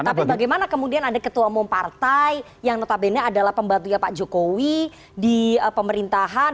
tapi bagaimana kemudian ada ketua umum partai yang notabene adalah pembantunya pak jokowi di pemerintahan